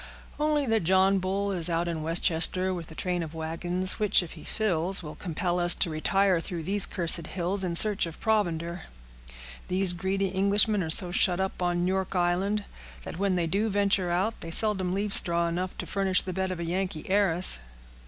"Only that John Bull is out in Westchester, with a train of wagons, which, if he fills, will compel us to retire through these cursed hills, in search of provender. These greedy Englishmen are so shut up on York Island, that when they do venture out, they seldom leave straw enough to furnish the bed of a Yankee heiress."